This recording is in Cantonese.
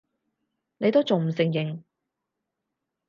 你都仲唔承認！